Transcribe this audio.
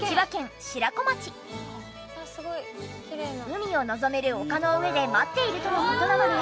海を望める丘の上で待っているとの事なので。